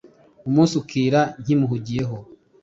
umunsi ukira nkimuhugiye ho